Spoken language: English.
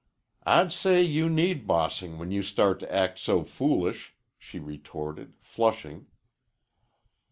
"I'd say you need bossing when you start to act so foolish," she retorted, flushing.